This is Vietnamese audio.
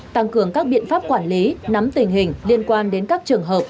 tăng cường các biện pháp quản lý nắm tình hình liên quan đến các trường hợp